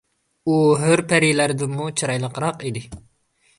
ئۇ ھۆر پەرىلەردىنمۇ چىرايلىقراق ئىدى.